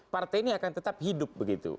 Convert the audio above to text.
partai ini akan tetap hidup begitu